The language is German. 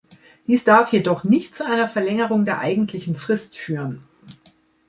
Dies darf jedoch nicht zu einer Verlängerung der eigentlichen Frist führen.